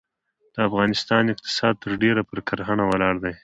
د افغانستان اقتصاد ترډیره پرکرهڼه ولاړ دی.